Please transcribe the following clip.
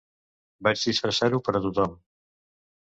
Vaig disfressar-ho per a tothom.